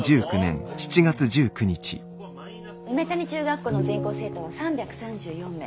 梅谷中学校の全校生徒は３３４名。